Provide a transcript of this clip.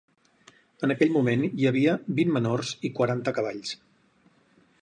En aquell moment hi havia vint menors i quaranta cavalls.